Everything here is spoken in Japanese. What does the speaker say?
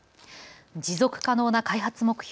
持続可能な開発目標